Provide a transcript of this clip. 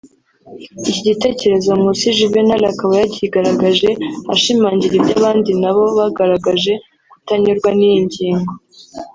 Iki gitekerezo Nkusi Juvenal akaba yakigaragaje ashimangira iby’abandi na bo bagaragaje kutanyurwa n’iyi ngingo